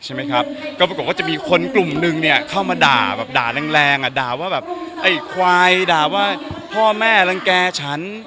ก็ปรากฏว่าจะมีคนกลุ่มนึงเข้ามาด่าแรงด่าว่าไอ้ควายด่าว่าพ่อแม่รังแกฉัน